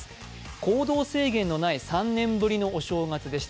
行動制限のない３年ぶりのお正月でした。